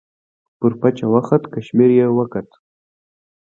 پر پچه وخوت، کشمیر یې وکوت.